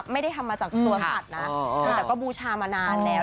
ไม่ได้ทำมาจากตัวสัตว์นะแต่ก็บูชามานานแล้ว